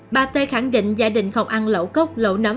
bà tê khẳng định gia đình không ăn lẩu cốc lẩu nấm